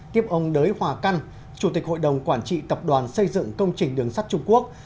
tiếp ông đới hòa căn chủ tịch hội đồng quản trị tập đoàn xây dựng công trình đường sắt trung quốc